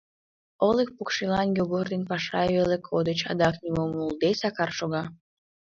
Олык покшелан Йогор ден Пашай веле кодыч, адак нимом умылыде Сакар шога.